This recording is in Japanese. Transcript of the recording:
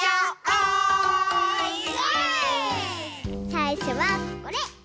さいしょはこれ。